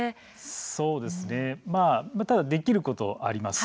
そうですね、ただできることはあります。